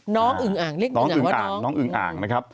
น้องอึงอ่างเล็กนิวอย่างว่าน้อง